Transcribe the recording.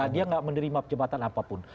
dia tidak menerima pejabatan apapun